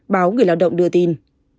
báo người lao động đưa tin